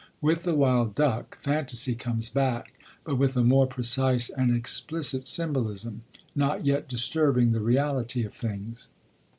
With The Wild Duck fantasy comes back, but with a more precise and explicit symbolism, not yet disturbing the reality of things.